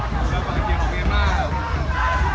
มันก็มีปีนอีนที่นี่